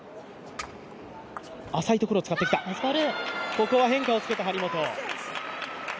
ここは変化をつけた張本。